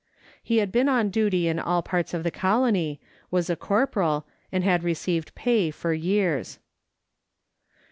He had been on duty in all parts of the colony, was a corporal, and had received pay for years.